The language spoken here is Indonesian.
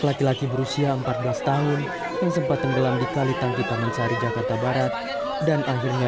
laki laki berusia empat belas tahun yang sempat tenggelam di kali tangki taman sari jakarta barat dan akhirnya